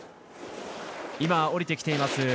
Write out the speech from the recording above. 今、降りてきています